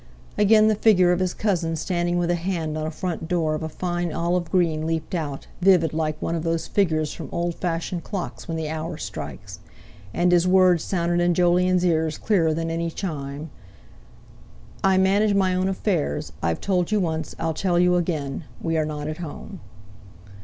Again the figure of his cousin standing with a hand on a front door of a fine olive green leaped out, vivid, like one of those figures from old fashioned clocks when the hour strikes; and his words sounded in Jolyon's ears clearer than any chime: "I manage my own affairs. I've told you once, I tell you again: We are not at home."